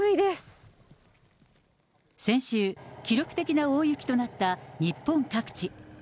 先週、記録的な大雪となった日本各地。